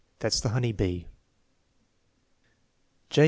That's the honey bee. J.